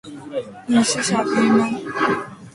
你是傻逼吗？